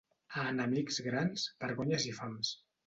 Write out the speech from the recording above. A enemics grans, vergonyes i fams.